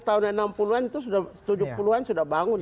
tahun enam puluh an tujuh puluh an sudah bangun